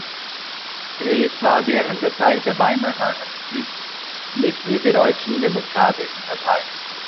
Drees war während der Zeit der Weimarer Republik Mitglied der Deutschen Demokratischen Partei.